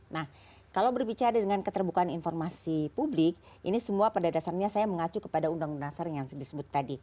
nah kalau berbicara dengan keterbukaan informasi publik ini semua pada dasarnya saya mengacu kepada undang undang dasar yang disebut tadi